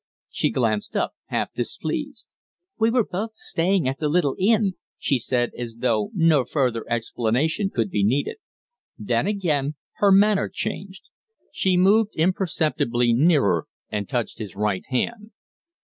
She glanced up, half displeased. "We were both staying at the little inn," she said, as though no further explanation could be needed. Then again her manner changed. She moved imperceptibly nearer and touched his right hand.